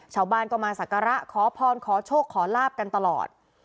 ชาวบ้านก็มาสักการะขอพรขอโชคขอลาบกันตลอด